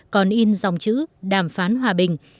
còn in dòng chữ đàm phán hòa bình